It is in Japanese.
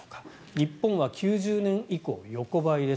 日本は９０年以降、横ばいです。